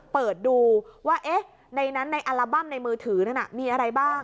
เปิดดูว่าในนั้นในอัลบั้มในมือถือนั้นมีอะไรบ้าง